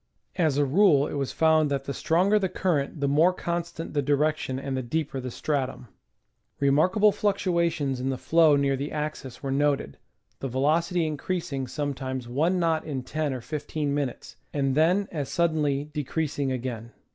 As a rule it was found that the stronger the current the more constant the direction and the deeper the stratum. Remarkable fluctua tions in the flow near the axis were noted, the velocity increasing sometimes one knot in ten or fifteen minutes, and then as sud denly decreasing again.